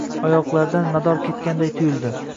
Oyoqlaridan mador ketganday tuyuldi.